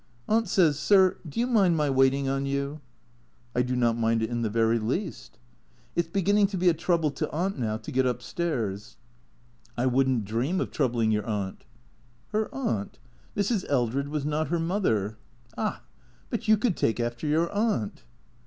" Aunt says, sir, do you mind my waitin' on you ?"" I do not mind it in the very least." " It '& beginning to be a trouole to Aunt now to get up stairs." " I would n't dream of troubling your aunt." Her aunt? Mrs. Eldred was not her mother. Ah, but you could take after your aunt.